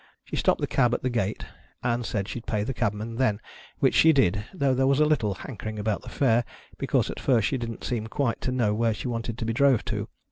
She stopped the cab at the gate, and said she'd pay the cabman then : which she did, though there was a little hankering about the fare, because at first she didn't seem quite to know where she wanted to be drove to.